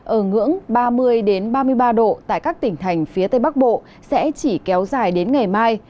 ở ngưỡng ba mươi ba mươi ba độ tại các tỉnh thành phía tây bắc bộ sẽ chỉ kéo dài đến ngày mai